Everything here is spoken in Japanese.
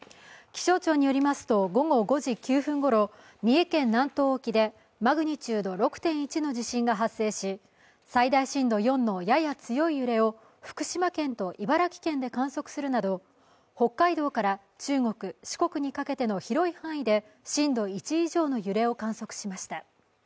気象庁によりますと午後５時９分ごろ、三重県南東沖でマグニチュード６．１の地震が発生し最大震度４のやや強い揺れを福島県と茨城県で観測するなど北海道から中国・四国にかけての広い範囲で、震度１以上の揺れを観測しました。